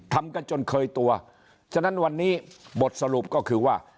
ทำกันจนเคยตัวฉะนั้นวันนี้บทสรุปก็คือว่า